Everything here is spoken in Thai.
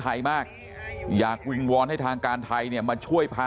พวกมันกลับมาเมื่อเวลาที่สุดพวกมันกลับมาเมื่อเวลาที่สุด